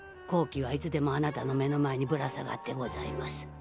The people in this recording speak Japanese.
好機はいつでもあなたの目の前にぶら下がってございます。